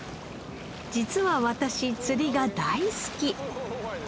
実は私釣りが大好き